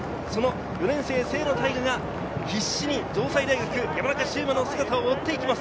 ４年生・清野太雅が必死に城西大学の姿を追っています。